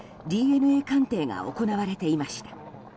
ＤＮＡ鑑定が行われていました。